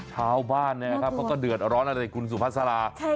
ชาวบ้านเนี่ยครับเขาก็เดือดร้อนอะไรคุณสุภาษาลา